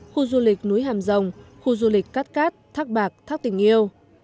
khu du lịch núi hàm rồng khu du lịch cát cát thác bạc thác tình yêu